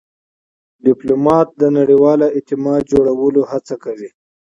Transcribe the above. ډيپلومات د نړیوال اعتماد جوړولو هڅه کوي.